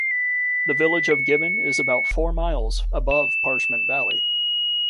The village of Given is about four miles above Parchment Valley.